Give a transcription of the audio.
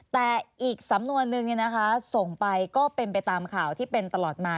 แต่อีกสำนวนนึงส่งไปก็เป็นไปตามข่าวที่เป็นตลอดมา